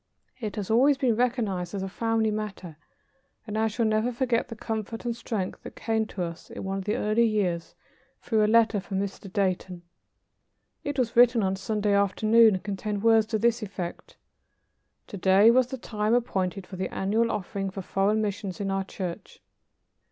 It has always been recognized as a family matter, and I shall never forget the comfort and strength that came to us in one of the early years through a letter from Mr. Dayton. It was written on Sunday afternoon, and contained words to this effect: "To day was the time appointed for the annual offering for foreign missions in our church.